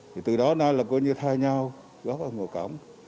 thì từ đó nay là coi như thay nhau góp ở ngôi cổng